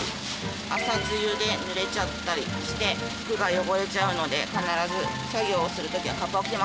朝露で濡れちゃったりして服が汚れちゃうので必ず作業をする時はカッパを着てます。